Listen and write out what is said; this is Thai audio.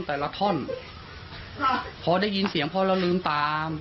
แต่ละท่อนพอได้ยินเสียงพ่อเราลืมตาม